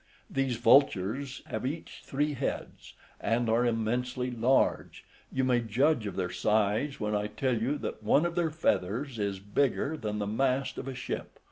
These vultures have each three heads, and are immensely large; you may judge of their size when I tell you that one of their feathers is bigger than the mast of a ship.